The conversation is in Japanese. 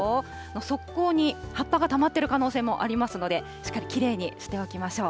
側溝に葉っぱがたまっている可能性もありますので、しっかりきれいにしておきましょう。